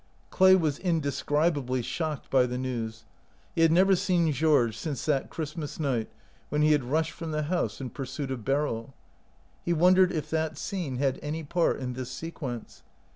Clay was indescribably shocked by the news. He had never seen Georges since that Christmas night when he had rushed from the house in pursuit of Beryl. He wondered if that scene had any part in this sequence.